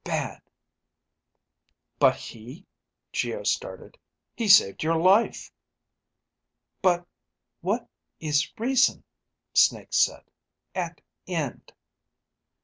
bad ..._ "But he " Geo started. "He saved your life!" But ... what ... is ... reason, Snake said. _At ... end